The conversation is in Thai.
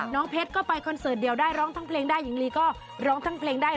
เพชรก็ไปคอนเสิร์ตเดียวได้ร้องทั้งเพลงได้หญิงลีก็ร้องทั้งเพลงได้